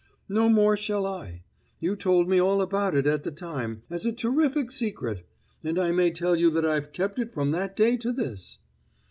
"No more shall I. You told me all about it at the time, as a terrific secret, and I may tell you that I've kept it from that day to this!"